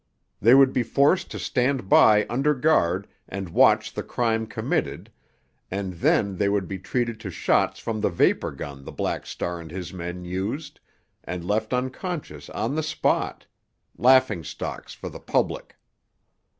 They would be forced to stand by under guard and watch the crime committed, and then they would be treated to shots from the vapor gun the Black Star and his men used, and left unconscious on the spot—laughingstocks for the public.